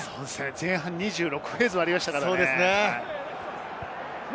前半は２６フェーズもありましたからね。